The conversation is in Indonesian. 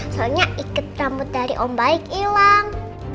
soalnya ikut rambut dari om baik ilang